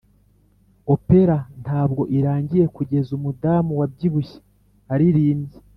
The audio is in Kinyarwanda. opera ntabwo irangiye kugeza umudamu wabyibushye aririmbye